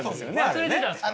忘れてたんですね。